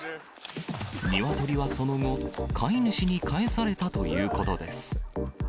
ニワトリはその後、飼い主に返されたということです。